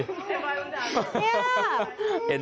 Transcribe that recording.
เนี่ย